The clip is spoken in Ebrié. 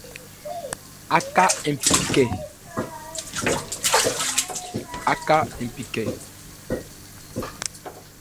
Aka epí nkɛ.